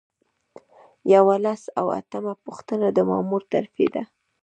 یو سل او اتمه پوښتنه د مامور ترفیع ده.